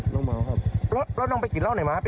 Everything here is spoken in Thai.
น้องเมาครับแล้วน้องไปกินเหล้าไหนมาครับพี่